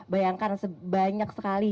bayangkan banyak sekali